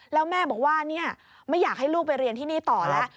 แล้วแม่บอกว่าไม่อยากให้ลูกไปเรียนที่นี่ต่อแล้ว